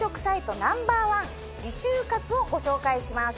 Ｎｏ．１「Ｒｅ就活」をご紹介します。